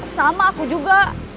sama aku juga